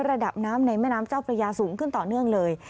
ระดับน้ำในแม่น้ำเจ้าพระยาสูงขึ้นต่อเนื่องเลย